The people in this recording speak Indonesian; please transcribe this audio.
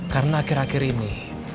karena akhir akhir ini